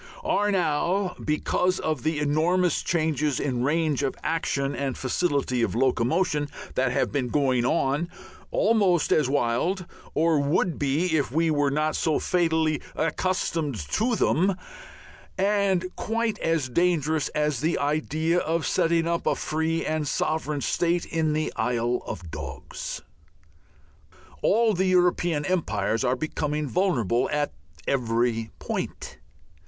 are now, because of the enormous changes in range of action and facility of locomotion that have been going on, almost as wild or would be if we were not so fatally accustomed to them and quite as dangerous, as the idea of setting up a free and sovereign state in the Isle of Dogs. All the European empires are becoming vulnerable at every point.